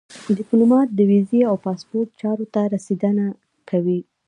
ډيپلومات د ویزو او پاسپورټ چارو ته رسېدنه کوي.